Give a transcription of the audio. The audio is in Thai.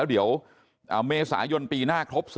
เดี๋ยวเมษายนตรีปีหน้าครบ